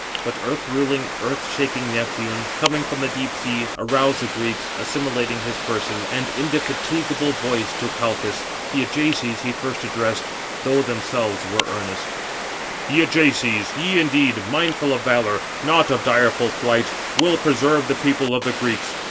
But earth ruling, earth shaking Neptune, coming from the deep sea, aroused the Greeks, assimilating his person and indefatigable voice to Calchas. The Ajaces he first addressed, though themselves were earnest: "Ye Ajaces, ye indeed, mindful of valour, not of direful flight, will preserve the people of the Greeks.